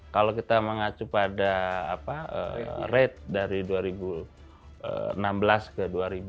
kalau kita mengacu pada rate dari dua ribu enam belas ke dua ribu dua puluh